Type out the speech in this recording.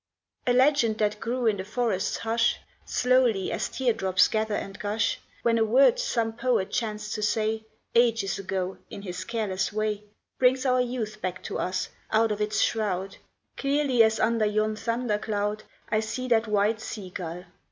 A legend that grew in the forest's hush Slowly as tear drops gather and gush, When a word some poet chanced to say Ages ago, in his careless way, Brings our youth back to us out of its shroud Clearly as under yon thunder cloud I see that white sea gull.